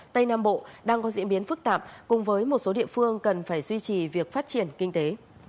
tây nam bộ đang có diễn biến phức tạp cùng với một số địa phương cần phải duy trì việc phát triển kinh tế